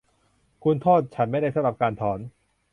คุณโทษฉันไม่ได้สำหรับการถอน